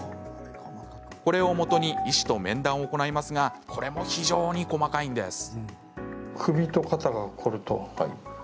これをもとに医師と面談を行いますがこれも非常に細かいんです。